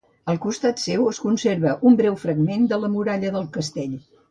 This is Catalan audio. Al costat seu es conserva un breu fragment de la muralla del castell.